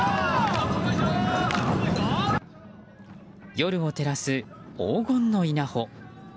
夜を照らす黄金の稲穂。